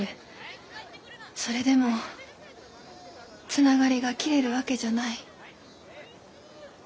それでもつながりが消えるわけじゃない。